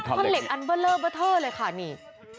ข้าวเหล็กอันเบลอเลยค่ะนี่